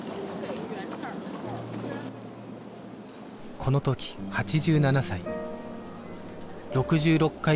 このとき８７歳